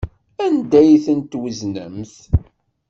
Anda ay tent-tweznemt?